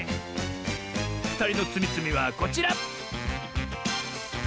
ふたりのつみつみはこちら！